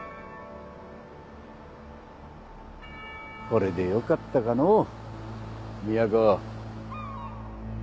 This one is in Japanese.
これでよかったかのうみやこ。